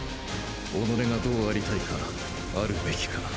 己がどう在りたいか在るべきか。